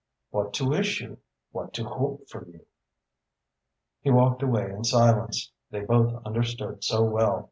"What to wish you what to hope for you." He walked away in silence. They both understood so well.